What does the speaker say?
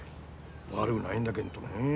悪ぐないんだげんどねえ。